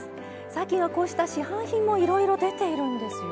最近はこうした市販品もいろいろ出ているんですよね。